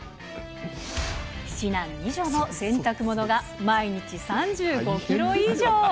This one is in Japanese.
７男２女の洗濯物が毎日３５キロ以上。